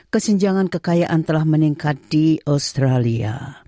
kesenjangan kekayaan telah meningkat di australia